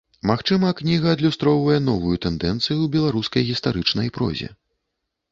Магчыма, кніга адлюстроўвае новую тэндэнцыю ў беларускай гістарычнай прозе.